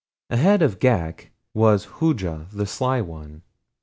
Ahead of Ghak was Hooja the Sly One.